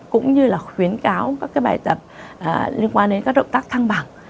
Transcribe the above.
cũng như là khuyến cáo các cái bài tập liên quan đến các động tác thăng bằng